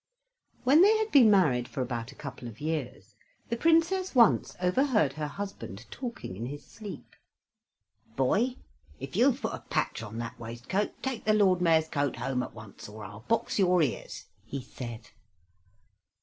When they had been married for about a couple of years, the Princess once overheard her husband talking in his sleep. "Boy, if you have put a patch on that waistcoat, take the Lord Mayor's coat home at once, or I'll box your ears," he said.